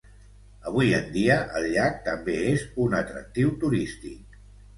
Avui en dia, el llac també és un atractiu turístic.